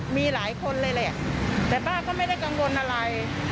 มีหลายคนเลยแหละแต่ป้าก็ไม่ได้กังวลอะไร